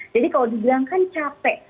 jadi kalau dibilang kan capek